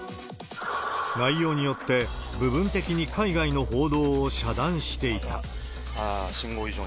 内容によって、部分的に海外の報道を遮断していた。